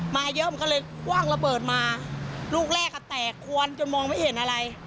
มาเยอะก็เลยทั้งเล็กแตกควรจรวมมาเห็นอะไร